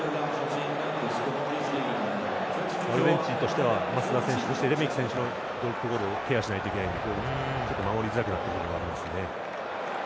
アルゼンチンとしては松田選手とレメキ選手のドロップゴールケアしないといけないのでちょっと守りづらくなっている部分もありますね。